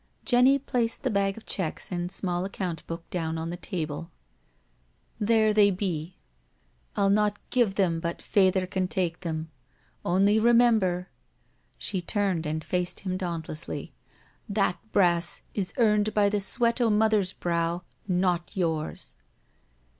Jenny placed the bag of checks and small account book down on the table. " There they be — I'll not give them but Fayther can take them— only remember '*— she turned and faced him dauntlessly —" that brass is earned by the sweat o* Mother's brow— not yours."